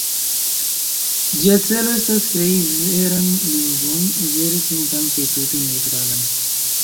Ĝia celo estas krei veran lingvon, vere simplan kaj tute neŭtralan.